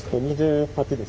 ２８です。